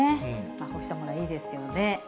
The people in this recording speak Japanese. こうしたものはいいですよね。